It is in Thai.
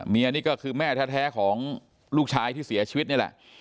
นี่คือแม่แท้ของลูกชายที่เสียชีวิตนี่แหละ